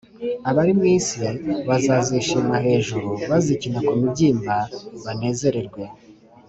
Abari mu isi bazazīshima hejuru bazikina ku mubyimba banezerwe,